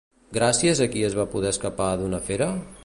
Gràcies a qui va poder ella escapar d'una fera?